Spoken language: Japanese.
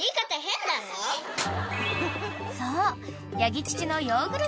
［そう］